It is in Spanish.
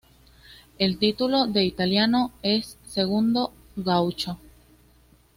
El título en italiano es "Il gaucho".